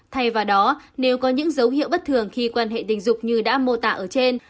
thay vào đó nếu có những dấu hiệu bất thường khi quan hệ tình dục như đã mô tả ở trên